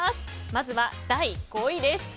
まずは第５位です。